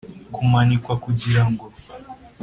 kumanikwa kugira ngo